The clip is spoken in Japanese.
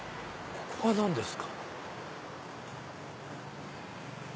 ここは何ですか？